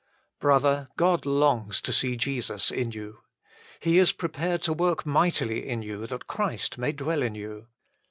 Brother, God longs to see Jesus in you. He is prepared to work mightily in you that Christ may dwell in you.